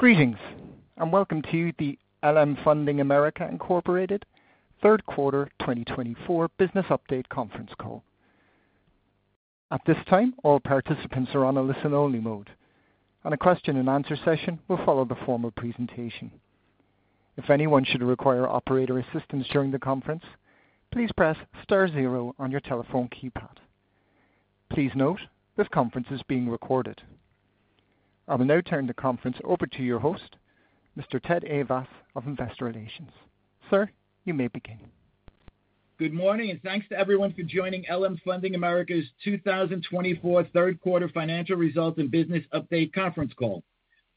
Greetings, and welcome to the LM Funding America Incorporated third quarter 2024 business update conference call. At this time, all participants are on a listen-only mode, and the question-and-answer session will follow the formal presentation. If anyone should require operator assistance during the conference, please press star zero on your telephone keypad. Please note this conference is being recorded. I will now turn the conference over to your host, Mr. Ted Ayvas of Investor Relations. Sir, you may begin. Good morning, and thanks to everyone for joining LM Funding America's 2024 third quarter financial results and business update conference call.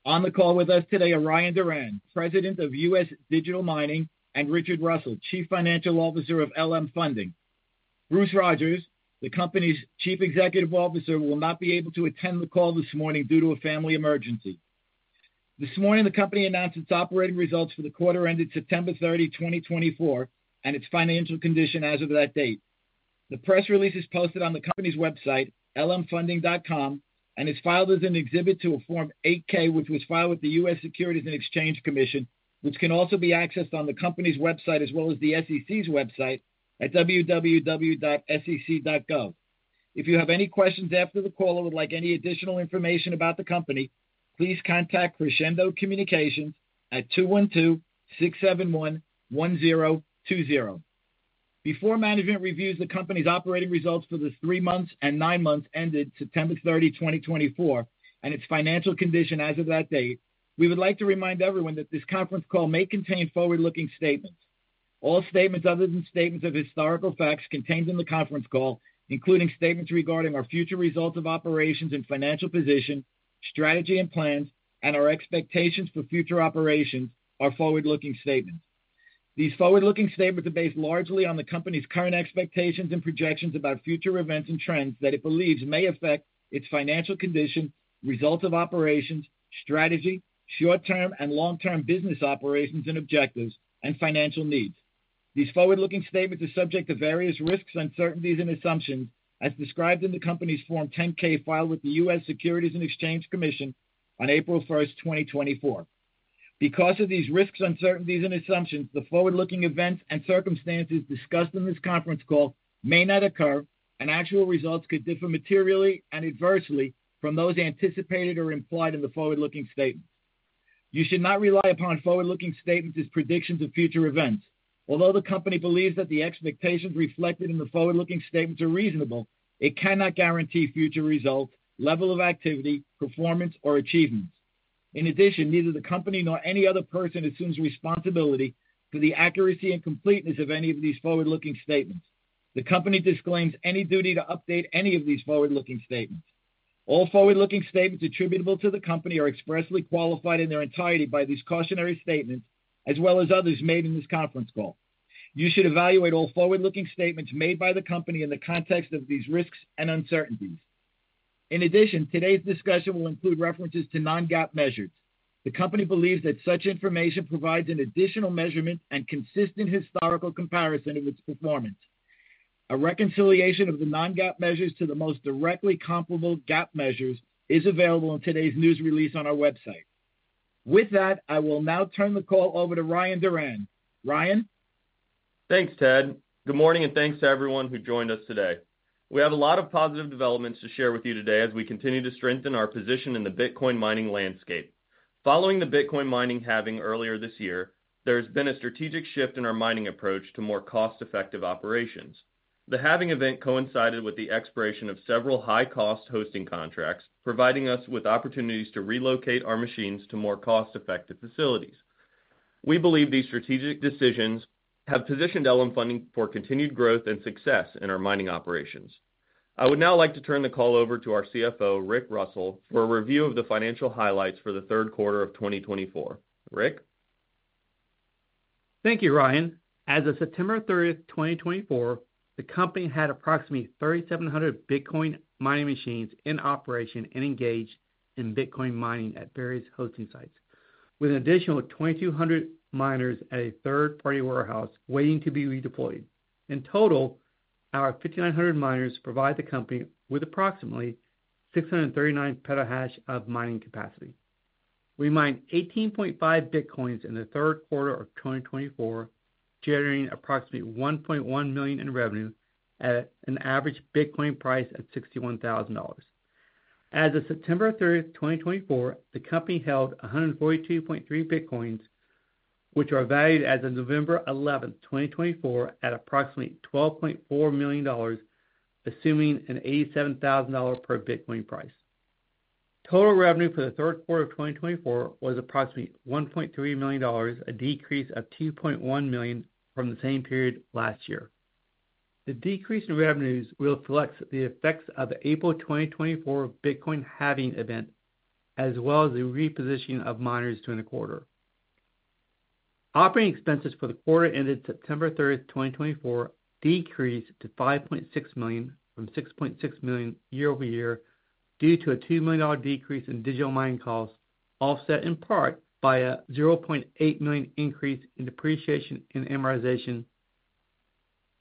On the call with us today are Ryan Duran, President of U.S. Digital Mining, and Richard Russell, Chief Financial Officer of LM Funding. Bruce Rodgers, the company's Chief Executive Officer, will not be able to attend the call this morning due to a family emergency. This morning, the company announced its operating results for the quarter ended September 30, 2024, and its financial condition as of that date. The press release is posted on the company's website, lmfunding.com, and is filed as an exhibit to a Form 8-K, which was filed with the U.S. Securities and Exchange Commission, which can also be accessed on the company's website as well as the SEC's website at www.sec.gov. If you have any questions after the call or would like any additional information about the company, please contact Crescendo Communications at 212-671-1020. Before management reviews the company's operating results for the three months and nine months ended September 30, 2024, and its financial condition as of that date, we would like to remind everyone that this conference call may contain forward-looking statements. All statements other than statements of historical facts contained in the conference call, including statements regarding our future results of operations and financial position, strategy and plans, and our expectations for future operations, are forward-looking statements. These forward-looking statements are based largely on the company's current expectations and projections about future events and trends that it believes may affect its financial condition, results of operations, strategy, short-term and long-term business operations and objectives, and financial needs. These forward-looking statements are subject to various risks, uncertainties, and assumptions, as described in the company's Form 10-K filed with the U.S. Securities and Exchange Commission on April 1st, 2024. Because of these risks, uncertainties, and assumptions, the forward-looking events and circumstances discussed in this conference call may not occur, and actual results could differ materially and adversely from those anticipated or implied in the forward-looking statements. You should not rely upon forward-looking statements as predictions of future events. Although the company believes that the expectations reflected in the forward-looking statements are reasonable, it cannot guarantee future results, level of activity, performance, or achievements. In addition, neither the company nor any other person assumes responsibility for the accuracy and completeness of any of these forward-looking statements. The company disclaims any duty to update any of these forward-looking statements. All forward-looking statements attributable to the company are expressly qualified in their entirety by these cautionary statements, as well as others made in this conference call. You should evaluate all forward-looking statements made by the company in the context of these risks and uncertainties. In addition, today's discussion will include references to non-GAAP measures. The company believes that such information provides an additional measurement and consistent historical comparison of its performance. A reconciliation of the non-GAAP measures to the most directly comparable GAAP measures is available in today's news release on our website. With that, I will now turn the call over to Ryan Duran. Ryan. Thanks, Ted. Good morning, and thanks to everyone who joined us today. We have a lot of positive developments to share with you today as we continue to strengthen our position in the Bitcoin mining landscape. Following the Bitcoin mining halving earlier this year, there has been a strategic shift in our mining approach to more cost-effective operations. The halving event coincided with the expiration of several high-cost hosting contracts, providing us with opportunities to relocate our machines to more cost-effective facilities. We believe these strategic decisions have positioned LM Funding for continued growth and success in our mining operations. I would now like to turn the call over to our CFO, Rick Russell, for a review of the financial highlights for the third quarter of 2024. Rick. Thank you, Ryan. As of September 30, 2024, the company had approximately 3,700 Bitcoin mining machines in operation and engaged in Bitcoin mining at various hosting sites, with an additional 2,200 miners at a third-party warehouse waiting to be redeployed. In total, our 5,900 miners provide the company with approximately 639 petahash of mining capacity. We mined 18.5 Bitcoins in the third quarter of 2024, generating approximately $1.1 million in revenue at an average Bitcoin price of $61,000. As of September 30, 2024, the company held 142.3 Bitcoins, which are valued as of November 11, 2024, at approximately $12.4 million, assuming an $87,000 per Bitcoin price. Total revenue for the third quarter of 2024 was approximately $1.3 million, a decrease of $2.1 million from the same period last year. The decrease in revenues reflects the effects of the April 2024 Bitcoin halving event, as well as the repositioning of miners during the quarter. Operating expenses for the quarter ended September 30, 2024, decreased to $5.6 million from $6.6 million year-over-year due to a $2 million decrease in digital mining costs, offset in part by a $0.8 million increase in depreciation and amortization.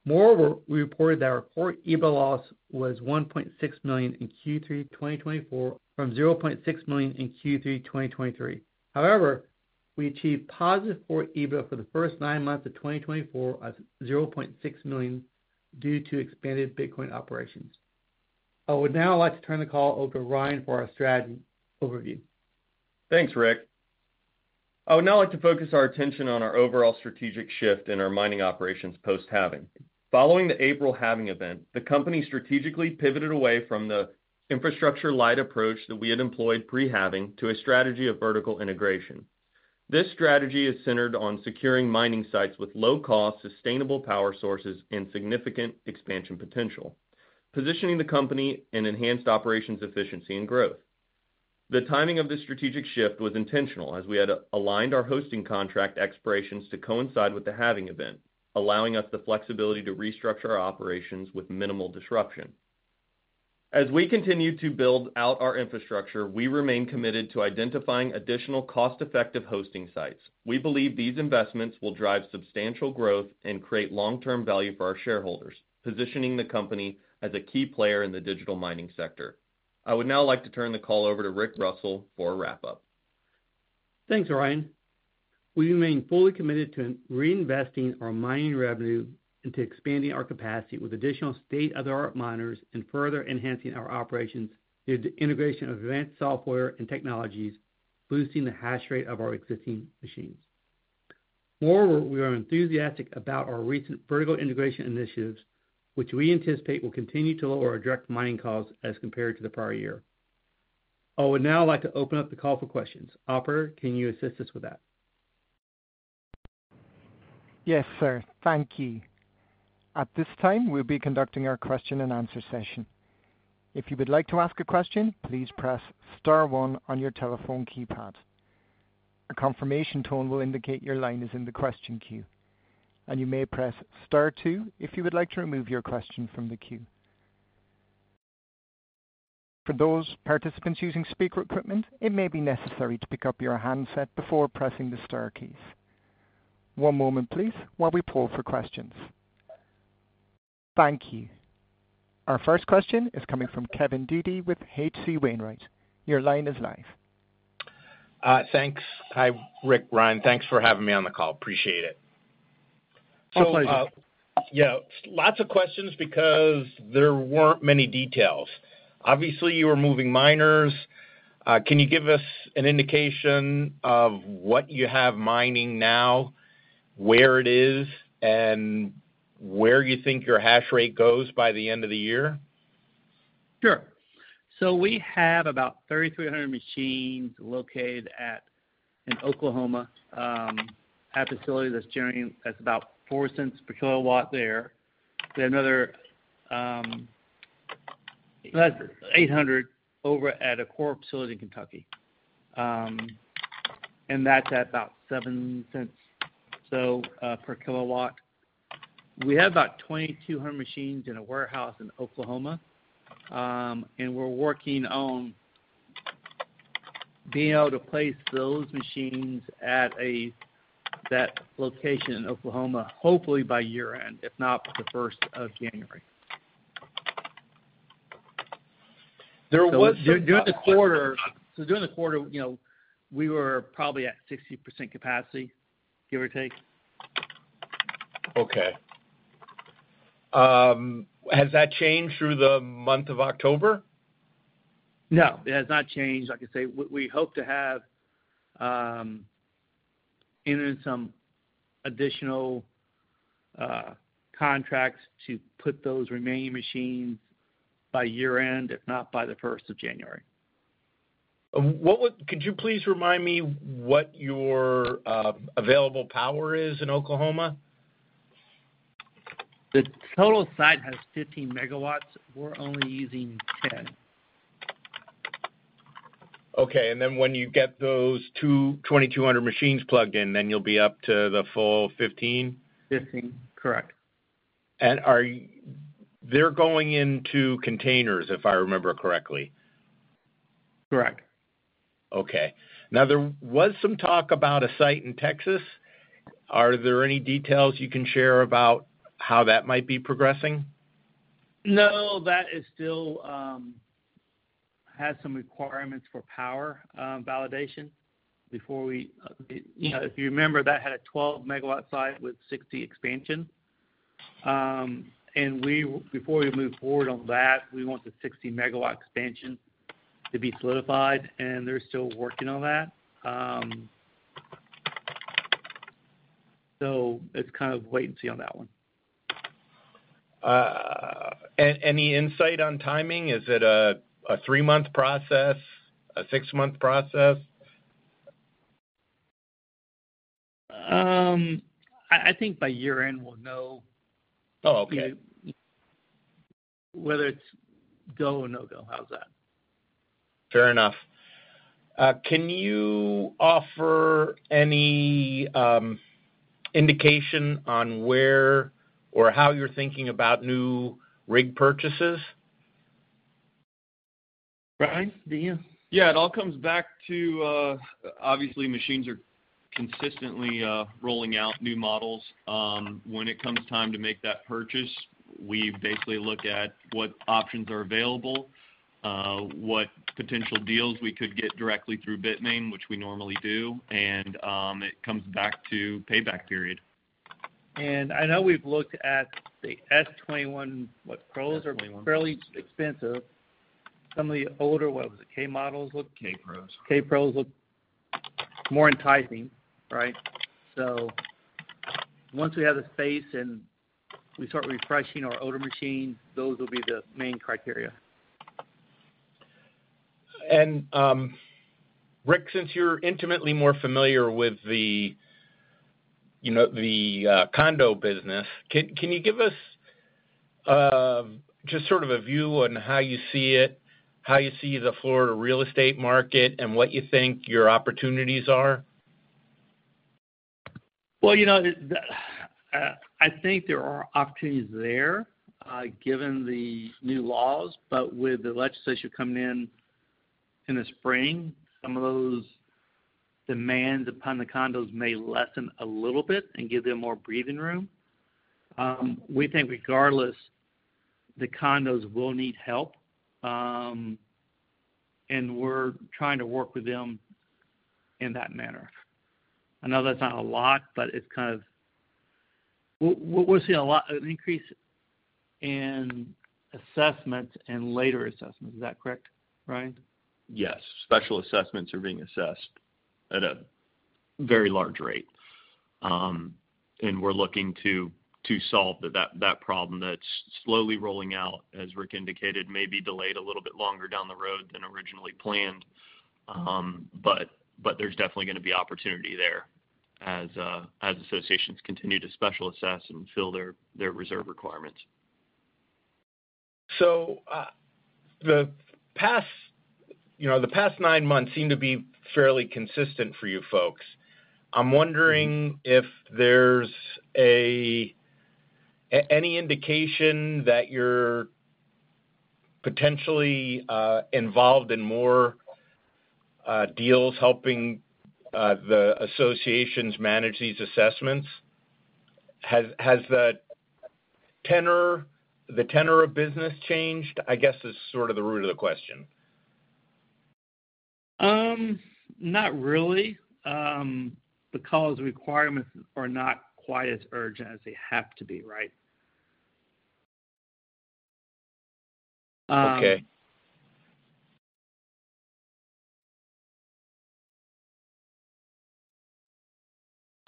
Moreover, we reported that our Core EBITDA loss was $1.6 million in Q3 2024, from $0.6 million in Q3 2023. However, we achieved positive Core EBITDA for the first nine months of 2024 of $0.6 million due to expanded Bitcoin operations. I would now like to turn the call over to Ryan for our strategy overview. Thanks, Rick. I would now like to focus our attention on our overall strategic shift in our mining operations post-halving. Following the April halving event, the company strategically pivoted away from the infrastructure-light approach that we had employed pre-halving to a strategy of vertical integration. This strategy is centered on securing mining sites with low-cost, sustainable power sources and significant expansion potential, positioning the company in enhanced operations efficiency and growth. The timing of this strategic shift was intentional, as we had aligned our hosting contract expirations to coincide with the halving event, allowing us the flexibility to restructure our operations with minimal disruption. As we continue to build out our infrastructure, we remain committed to identifying additional cost-effective hosting sites. We believe these investments will drive substantial growth and create long-term value for our shareholders, positioning the company as a key player in the digital mining sector. I would now like to turn the call over to Rick Russell for a wrap-up. Thanks, Ryan. We remain fully committed to reinvesting our mining revenue and to expanding our capacity with additional state-of-the-art miners and further enhancing our operations through the integration of advanced software and technologies, boosting the hash rate of our existing machines. Moreover, we are enthusiastic about our recent vertical integration initiatives, which we anticipate will continue to lower our direct mining costs as compared to the prior year. I would now like to open up the call for questions. Operator, can you assist us with that? Yes, sir. Thank you. At this time, we'll be conducting our question-and-answer session. If you would like to ask a question, please press star one on your telephone keypad. A confirmation tone will indicate your line is in the question queue, and you may press star two if you would like to remove your question from the queue. For those participants using speaker equipment, it may be necessary to pick up your handset before pressing the star keys. One moment, please, while we pull for questions. Thank you. Our first question is coming from Kevin Dede with H.C. Wainwright. Your line is live. Thanks. Hi, Rick, Ryan. Thanks for having me on the call. Appreciate it. Oh, pleasure. Yeah, lots of questions because there weren't many details. Obviously, you were moving miners. Can you give us an indication of what you have mining now, where it is, and where you think your hash rate goes by the end of the year? Sure. So we have about 3,300 machines located in Oklahoma at a facility that's generating about $0.04 per kW there. We have another 800 over at a Core facility in Kentucky, and that's at about $0.07 per kW. We have about 2,200 machines in a warehouse in Oklahoma, and we're working on being able to place those machines at that location in Oklahoma, hopefully by year-end, if not the first of January. So during the quarter, we were probably at 60% capacity, give or take. Okay. Has that changed through the month of October? No, it has not changed. Like I say, we hope to have entered some additional contracts to put those remaining machines by year-end, if not by the first of January. Could you please remind me what your available power is in Oklahoma? The total site has 15 MW. We're only using 10. Okay, and then when you get those 2,200 machines plugged in, then you'll be up to the full 15? 15, correct. They're going into containers, if I remember correctly? Correct. Okay. Now, there was some talk about a site in Texas. Are there any details you can share about how that might be progressing? No, that still has some requirements for power validation before we, if you remember, that had a 12 MW site with 60 MW expansion, and before we move forward on that, we want the 60 MW expansion to be solidified, and they're still working on that, so it's kind of wait and see on that one. Any insight on timing? Is it a three-month process, a six-month process? I think by year-end, we'll know whether it's go or no go, how's that? Fair enough. Can you offer any indication on where or how you're thinking about new rig purchases? Ryan, do you? Yeah. It all comes back to, obviously, machines are consistently rolling out new models. When it comes time to make that purchase, we basically look at what options are available, what potential deals we could get directly through Bitmain, which we normally do, and it comes back to payback period. I know we've looked at the S21 Pros, which are fairly expensive. Some of the older K models look- K Pros. K Pros look more enticing, right? So once we have the space and we start refreshing our older machines, those will be the main criteria. Rick, since you're intimately more familiar with the condo business, can you give us just sort of a view on how you see it, how you see the Florida real estate market, and what you think your opportunities are? I think there are opportunities there given the new laws, but with the legislature coming in in the spring, some of those demands upon the condos may lessen a little bit and give them more breathing room. We think regardless, the condos will need help, and we're trying to work with them in that manner. I know that's not a lot, but it's kind of, we're seeing an increase in assessments and later assessments. Is that correct, Ryan? Yes. Special assessments are being assessed at a very large rate, and we're looking to solve that problem that's slowly rolling out, as Rick indicated, may be delayed a little bit longer down the road than originally planned. But there's definitely going to be opportunity there as associations continue to special assess and fill their reserve requirements. So the past nine months seem to be fairly consistent for you folks. I'm wondering if there's any indication that you're potentially involved in more deals helping the associations manage these assessments. Has the tenor of business changed, I guess, is sort of the root of the question. Not really, because requirements are not quite as urgent as they have to be, right? Okay.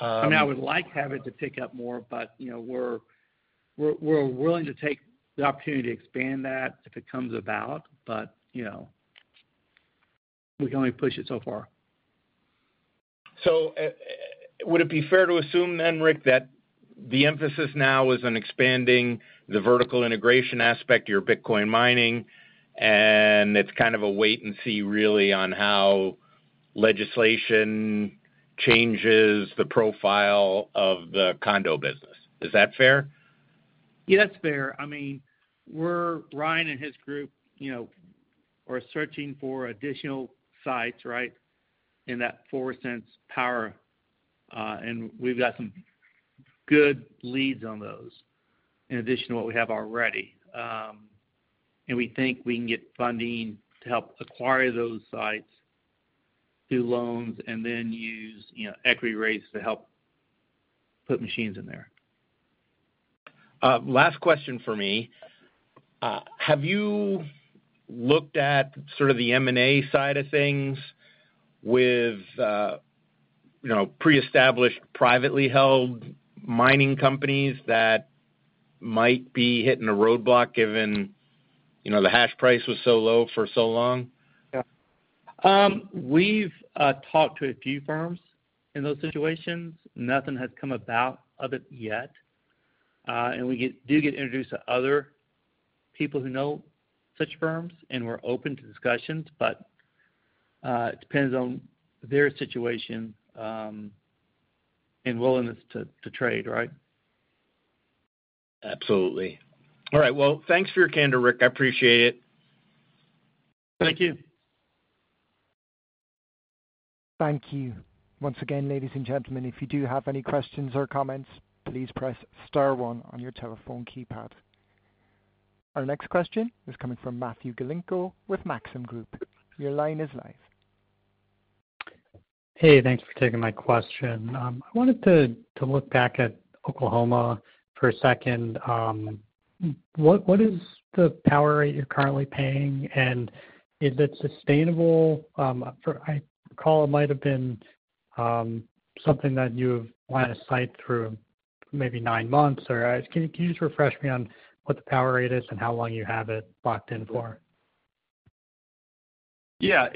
I mean, I would like to have it to pick up more, but we're willing to take the opportunity to expand that if it comes about, but we can only push it so far. So would it be fair to assume then, Rick, that the emphasis now is on expanding the vertical integration aspect of your Bitcoin mining, and it's kind of a wait and see, really, on how legislation changes the profile of the condo business? Is that fair? Yeah, that's fair. I mean, Ryan, and his group are searching for additional sites, right, in that $0.04 power, and we've got some good leads on those in addition to what we have already. And we think we can get funding to help acquire those sites, do loans, and then use equity raises to help put machines in there. Last question for me. Have you looked at sort of the M&A side of things with pre-established privately held mining companies that might be hitting a roadblock given the hash price was so low for so long? Yeah. We've talked to a few firms in those situations. Nothing has come about of it yet. And we do get introduced to other people who know such firms, and we're open to discussions, but it depends on their situation and willingness to trade, right? Absolutely. All right. Well, thanks for your candor, Rick. I appreciate it. Thank you. Thank you. Once again, ladies and gentlemen, if you do have any questions or comments, please press star one on your telephone keypad. Our next question is coming from Matthew Galinko with Maxim Group. Your line is live. Hey, thanks for taking my question. I wanted to look back at Oklahoma for a second. What is the power rate you're currently paying, and is it sustainable? I recall it might have been something that you have wanted to sign through maybe nine months, or can you just refresh me on what the power rate is and how long you have it locked in for? Yeah.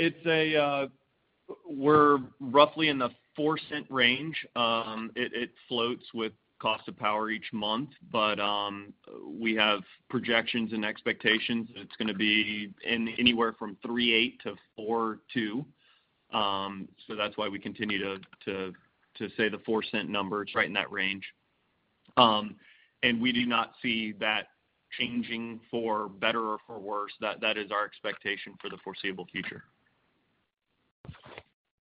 We're roughly in the $0.04 range. It floats with cost of power each month, but we have projections and expectations that it's going to be anywhere from 3.8 to 4.2. So that's why we continue to say the $0.04 number. It's right in that range, and we do not see that changing for better or for worse. That is our expectation for the foreseeable future.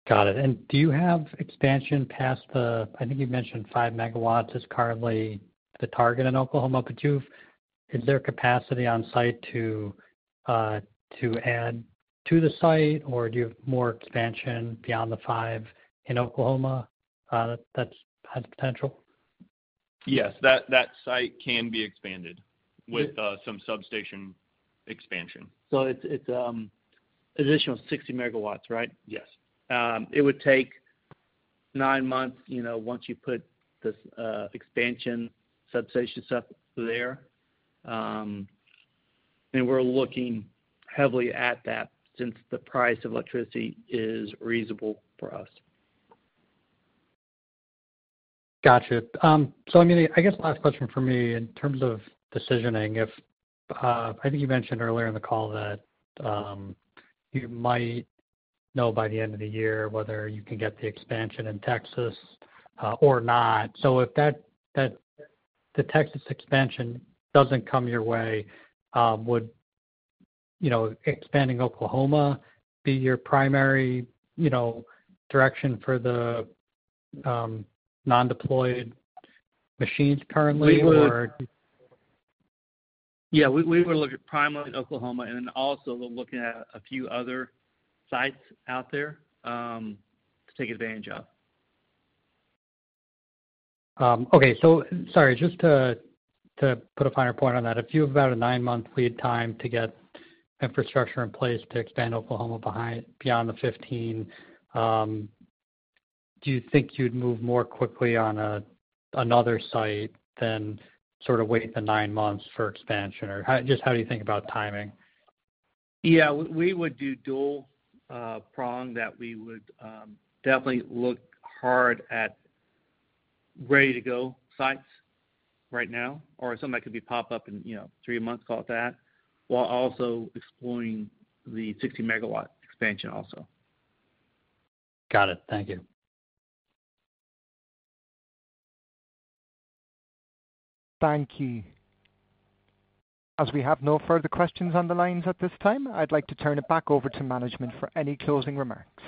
Got it. And do you have expansion past the. I think you mentioned 5 MW is currently the target in Oklahoma, but is there capacity on site to add to the site, or do you have more expansion beyond the five in Oklahoma that has potential? Yes, that site can be expanded with some substation expansion. So it's an additional 60 MW, right? Yes. It would take nine months once you put the expansion substation stuff there, and we're looking heavily at that since the price of electricity is reasonable for us. Gotcha. So I mean, I guess last question for me in terms of decisioning. I think you mentioned earlier in the call that you might know by the end of the year whether you can get the expansion in Texas or not. So if the Texas expansion doesn't come your way, would expanding Oklahoma be your primary direction for the non-deployed machines currently, or? Yeah, we would look at primarily Oklahoma, and then also looking at a few other sites out there to take advantage of. Okay. So sorry, just to put a finer point on that, if you have about a nine-month lead time to get infrastructure in place to expand Oklahoma beyond the 15, do you think you'd move more quickly on another site than sort of wait the nine months for expansion, or just how do you think about timing? Yeah, we would do dual prong that we would definitely look hard at ready-to-go sites right now, or something that could be popped up in three months, call it that, while also exploring the 60 MW expansion also. Got it. Thank you. Thank you. As we have no further questions on the lines at this time, I'd like to turn it back over to management for any closing remarks.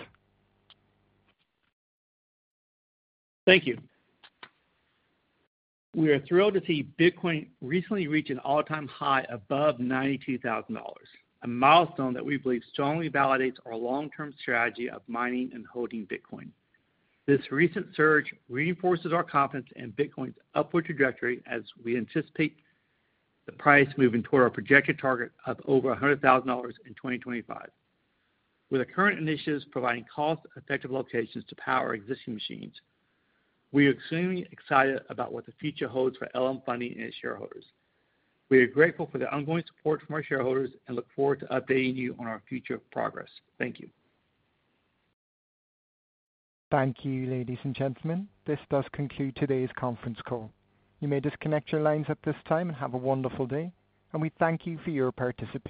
Thank you. We are thrilled to see Bitcoin recently reach an all-time high above $92,000, a milestone that we believe strongly validates our long-term strategy of mining and holding Bitcoin. This recent surge reinforces our confidence in Bitcoin's upward trajectory as we anticipate the price moving toward our projected target of over $100,000 in 2025. With our current initiatives providing cost-effective locations to power existing machines, we are extremely excited about what the future holds for LM Funding and its shareholders. We are grateful for the ongoing support from our shareholders and look forward to updating you on our future progress. Thank you. Thank you, ladies and gentlemen. This does conclude today's conference call. You may disconnect your lines at this time and have a wonderful day, and we thank you for your participation.